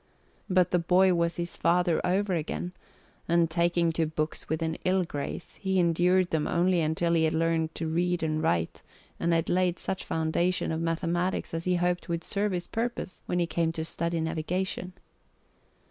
But the boy was his father over again, and taking to books with an ill grace, he endured them only until he had learned to read and write and had laid such foundation of mathematics as he hoped would serve his purpose when he came to study navigation.